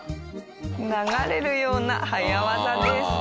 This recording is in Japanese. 流れるような早業です。